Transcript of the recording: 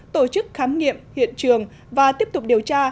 tổ chức khám nghiệm hiện trường và tiếp tục điều tra